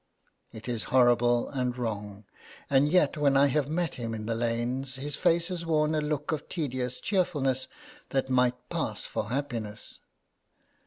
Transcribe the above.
It is horrible and wrong, and yet when I have met him in the lanes his face has worn a look of tedious cheerfulness that might pass for happiness.